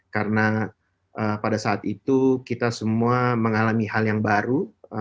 karena pada saat itu kita semua mengalami hal yang baru